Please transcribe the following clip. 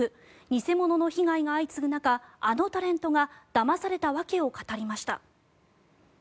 偽物の被害が相次ぐ中あのタレントがだまされた訳を語りました。